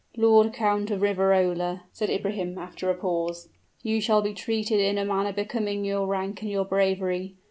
"Lord Count of Riverola," said Ibrahim, after a short pause, "you shall be treated in a manner becoming your rank and your bravery.